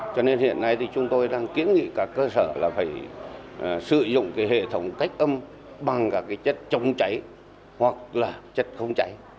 cho nên hiện nay chúng tôi đang kiến nghị các cơ sở là phải sử dụng hệ thống cách âm bằng chất chống cháy hoặc chất không cháy